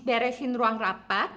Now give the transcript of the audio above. beresin ruang rapat